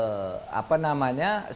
bagaimana kalau panitera panitera itu diputar